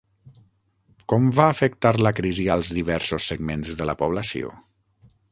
Com va afectar la crisi als diversos segments de la població?